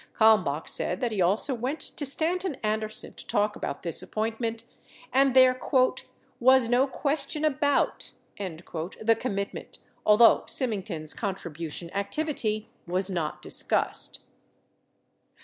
Kalmbach said that he also went to Stanton Anderson to talk about this appointment, and there "was no question about" the commitment, although Syming ton's contribution activity was not discussed.